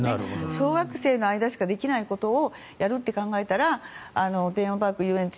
小学生の間しかできないことをやるって考えたらテーマパーク、遊園地